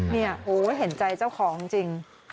นี่โอ้เห็นใจเจ้าของจริง